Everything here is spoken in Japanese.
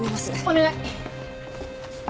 お願い。